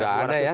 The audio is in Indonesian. tidak ada ya